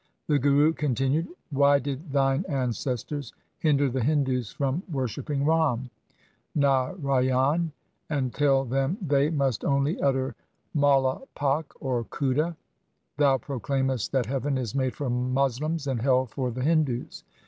The Guru continued, ' Why did thine ancestors hinder the Hindus from wor shipping Ram, Narayan, and tell them they must 234 THE SIKH RELIGION only utter Maula Pak or Khuda 1 ? Thou proclaimest that heaven is made for Moslems and hell for the Hindus.